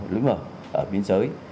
lối mở ở biên giới